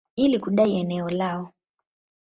ili kudai eneo lao.